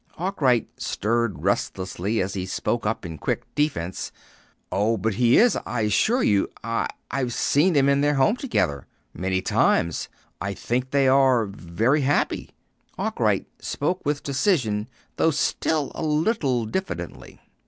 Arkwright stirred restlessly as he spoke up in quick defense: "Oh, but he is, I assure you. I I've seen them in their home together many times. I think they are very happy." Arkwright spoke with decision, though still a little diffidently.